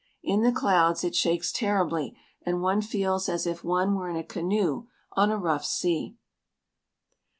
In the clouds it shakes terribly and one feels as if one were in a canoe on a rough sea.